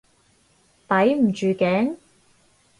抵唔住頸？